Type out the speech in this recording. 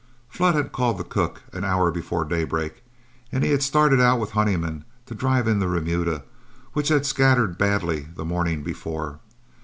Flood had called the cook an hour before daybreak, and he had started out with Honeyman to drive in the remuda, which had scattered badly the morning before.